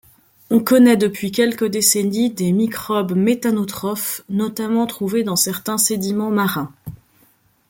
On connait depuis quelques décennies des microbes méthanotrophes, notamment trouvés dans certains sédiments marins.